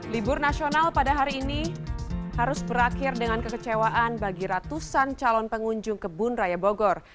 libur nasional pada hari ini harus berakhir dengan kekecewaan bagi ratusan calon pengunjung kebun raya bogor